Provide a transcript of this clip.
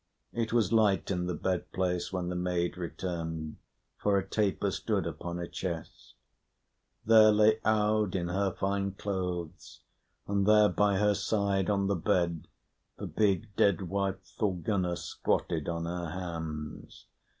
It was light in the bed place when the maid returned, for a taper stood upon a chest. There lay Aud in her fine clothes, and there by her side on the bed the big dead wife Thorgunna squatted on her hams.